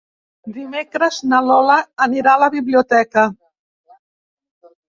Dimecres na Lola anirà a la biblioteca.